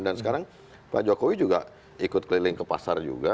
dan sekarang pak jokowi juga ikut keliling ke pasar juga